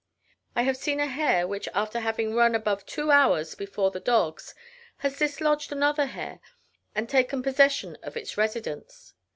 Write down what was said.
I have seen a hare, which, after having run above two hours before the dogs, has dislodged another hare, and taken possession of its residence.